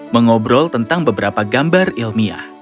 mereka berbicara tentang beberapa gambar ilmiah